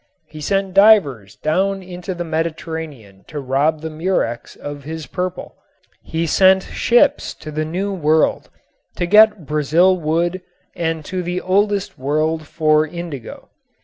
He sent divers down into the Mediterranean to rob the murex of his purple. He sent ships to the new world to get Brazil wood and to the oldest world for indigo.